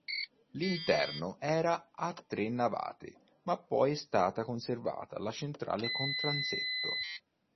L'interno era a tre navate ma poi è stata conservata la centrale con transetto.